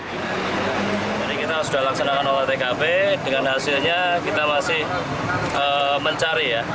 jadi kita sudah laksanakan olah tkp dengan hasilnya kita masih mencari ya